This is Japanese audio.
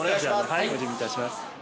ご準備いたします。